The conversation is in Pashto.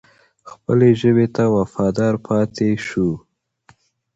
خپلې ژبې ته وفادار پاتې شو.